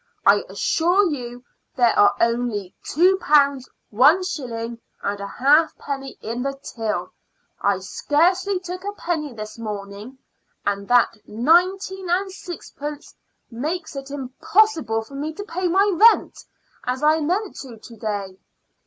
I assure you there are only two pounds one shilling and a halfpenny in the till. I scarcely took a penny this morning, and that nineteen and sixpence makes it impossible for me to pay my rent, as I meant to do, to day.